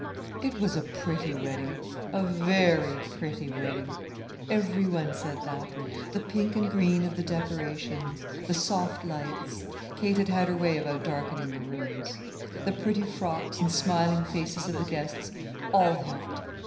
It was a pretty wedding, a very pretty wedding. Every one said that. The pink and green of the decorations, the soft lights (Kate had had her way about darkening the rooms), the pretty frocks and smiling faces of the guests all helped.